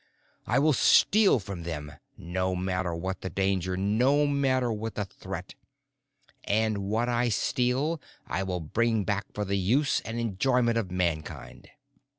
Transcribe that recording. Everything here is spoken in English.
I will steal from them, no matter what the danger, no matter what the threat. And what I steal, I will bring back for the use and enjoyment of Mankind."